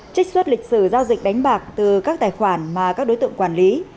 trích xuất lịch sử giao dịch đánh bạc từ các tài khoản mà các đối tượng quản lý